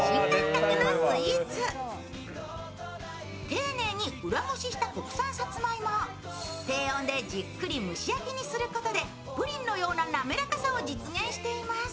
丁寧に裏ごしした国産さつまいもを低温でじっくり蒸し焼きにすることでプリンのようななめらかさを実現しています。